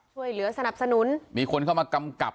ช่วยเหลือสนับสนุนมีคนเข้ามากำกับ